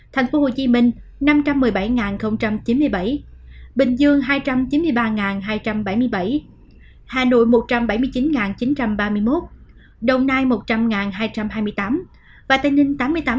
thành phố hồ chí minh năm trăm một mươi bảy chín mươi bảy bình dương hai trăm chín mươi ba hai trăm bảy mươi bảy hà nội một trăm bảy mươi chín chín trăm ba mươi một đồng nai một trăm linh hai trăm hai mươi tám và tây ninh tám mươi tám tám trăm sáu mươi bảy